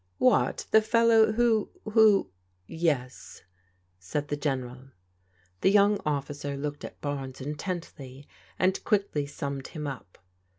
"What, the fellow who— who?'* " Yes," said the General. The young officer looked at Barnes intently and quickly stmimed him up.